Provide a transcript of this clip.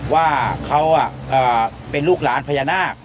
ว่าเขาเป็นลูกหลานพญานาค